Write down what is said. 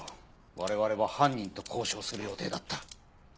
我々は犯人と交渉する予定だった。